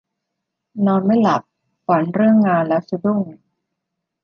นอนไม่หลับ ฝันเรื่องงานแล้วสะดุ้ง